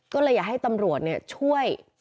ก็เลยอยากให้ตำรวจช่วย